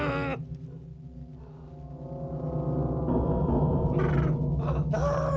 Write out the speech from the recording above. ya sudah diberesin di sana